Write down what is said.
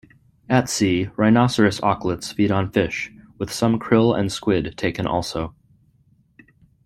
At sea, rhinoceros auklets feed on fish, with some krill and squid taken also.